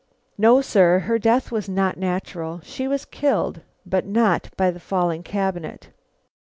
"No, sir; her death was not natural. She was killed, but not by the falling cabinet."